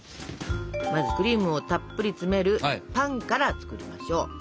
まずクリームをたっぷり詰めるパンから作りましょう。